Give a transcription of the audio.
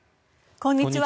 こんにちは。